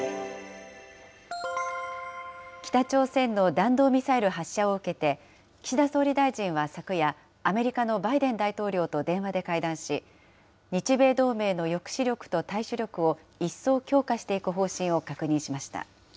北朝鮮の弾道ミサイル発射を受けて、岸田総理大臣は昨夜、アメリカのバイデン大統領と電話で会談し、日米同盟の抑止力と対処力を一層強化していく方針を確認しました。